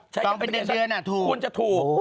จองเป็นเดือนคุณจะถูก